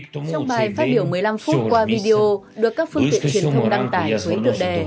trong bài phát biểu một mươi năm phút qua video được các phương tiện truyền thông đăng tải với tựa đề